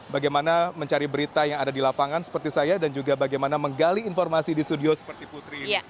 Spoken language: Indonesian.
bagaimana mencari berita yang ada di lapangan seperti saya dan juga bagaimana menggali informasi di studio seperti putri